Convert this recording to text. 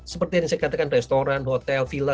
seperti yang saya katakan restoran hotel villa